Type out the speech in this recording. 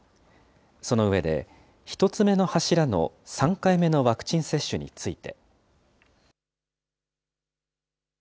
その上で、１つ目の柱の３回目のワクチン接種について。